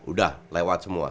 udah lewat semua